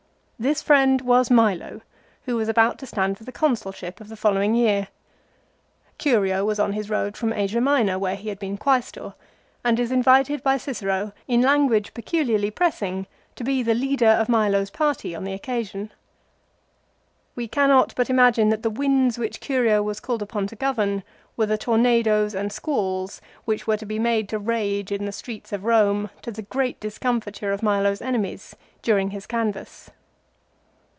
This friend was Milo, who was about to stand for the Consulship of the following year. Curio was on his road from Asia Minor, where he had been Quaestor, and is invited by Cicero in lan guage peculiarly pressing to be the leader of Milo's party on the occasion. 1 We cannot but imagine that the winds which Curio was called upon to govern were the tornadoes and squalls which were to be made to rage in the streets of Eome to the great discomfiture of Milo's enemies during his canvass.